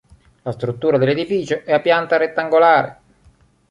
La struttura dell'edificio è a pianta rettangolare.